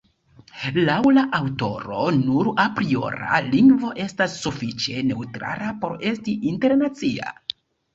Laŭ la aŭtoro, nur apriora lingvo estas sufiĉe neŭtrala por esti internacia.